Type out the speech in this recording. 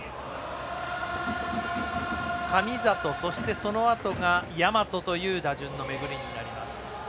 神里、そのあとが大和という打順の巡りになります。